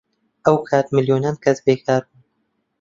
ئەو کات ملیۆنان کەس بێکار بوون.